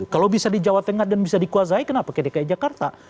kalau bisa di jawa tengah dan bisa dikuasai kenapa ke dki jakarta